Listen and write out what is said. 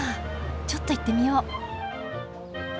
ちょっと行ってみよう。